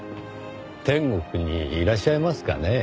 天国にいらっしゃいますかねぇ？